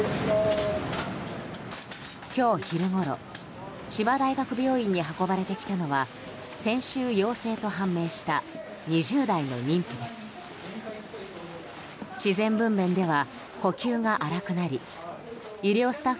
今日昼ごろ千葉大学病院に運ばれてきたのは先週、陽性と判明した２０代の妊婦です。